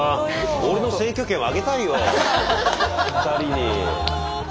俺の選挙権をあげたいよ２人に。